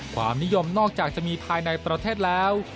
ความนิยมนอกจากจะมีภายในประเทศแล้ว